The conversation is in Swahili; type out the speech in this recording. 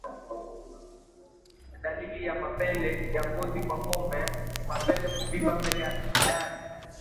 Dalili ya mapele ya ngozi kwa ngombe ni mapele kuvimba mbele ya kidari